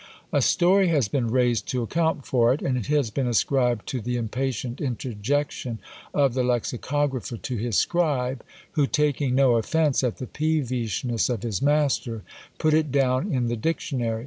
A story has been raised to account for it, and it has been ascribed to the impatient interjection of the lexicographer to his scribe, who, taking no offence at the peevishness of his master, put it down in the Dictionary.